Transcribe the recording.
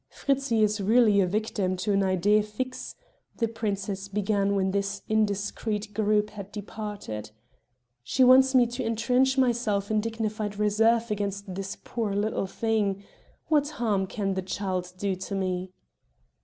"Fritzi is really a victim to an idée fixe," the princess began when this indiscreet group had departed; "she wants me to entrench myself in dignified reserve against this poor little thing. What harm can the child do me?"